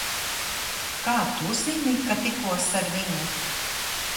Kā Tu zini, ka tikos ar viņu?